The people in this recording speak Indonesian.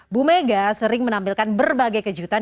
bu mega sering menampilkan berbagai kejutan